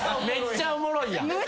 めっちゃおもろいやん。